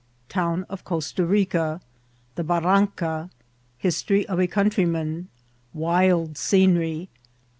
— Town of Cotto Rica.— The Bnimnca.— History of a Coantrjrman.— Wfld Seonery.